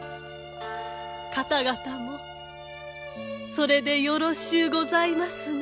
方々もそれでよろしゅうございますな？